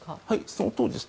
そのとおりです。